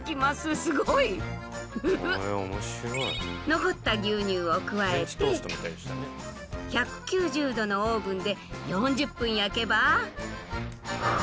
残った牛乳を加えて１９０℃のオーブンで４０分焼けば。